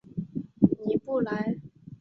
尼布莱。